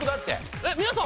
えっ皆さん